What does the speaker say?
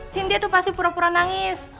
sintia tuh pasti pura pura nangis